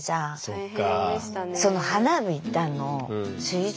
そっか。